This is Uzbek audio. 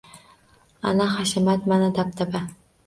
Ana hashamat, mana dabdaba